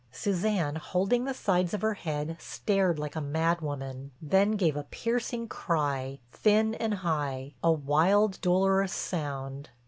Suzanne, holding the sides of her head, stared like a mad woman, then gave a piercing cry, thin and high, a wild, dolorous sound.